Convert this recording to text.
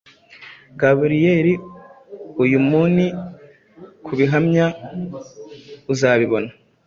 Gaburiyeli, uyumuni kubihamya uzabibona